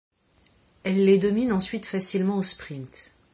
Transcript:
Elle les domine ensuite facilement au sprint.